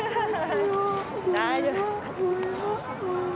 大丈夫。